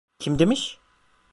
Kim demiş?